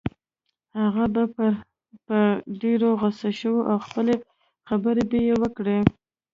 هغه به پرې په ډېره غصه شو او خپله خبره به يې وکړه.